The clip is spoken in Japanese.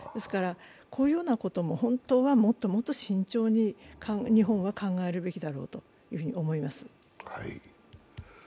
こういうことも本当はもっともっと慎重に日本は考えるべきだと思います。